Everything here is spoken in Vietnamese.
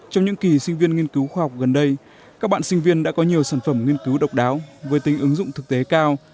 trong những kỳ sinh viên nghiên cứu khoa học gần đây các bạn sinh viên đã có nhiều sản phẩm nghiên cứu độc đáo với tính ứng dụng thực tế cao